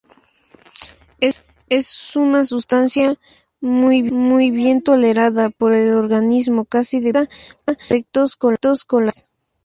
Es una sustancia muy bien tolerada por el organismo, casi desprovista de efectos colaterales.